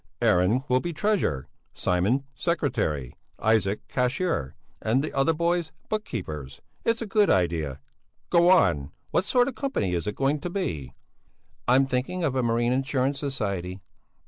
Aaron will be treasurer, Simon secretary, Isaac cashier, and the other boys book keepers; it's a good idea! Go on! What sort of a company is it going to be?" "I'm thinking of a marine insurance society."